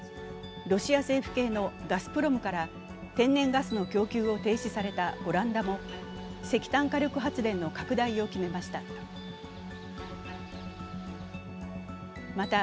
ロシア政府系のガスプロムから天然ガスの供給を停止されたオランダも石炭火力発電の拡大を決めました。